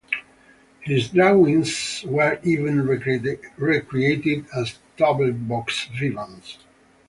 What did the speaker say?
His drawings were even recreated as tableaux vivants.